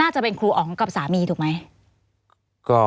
จะเป็นครูอ๋องกับสามีถูกไหม